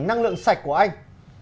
năng lượng sạch của anh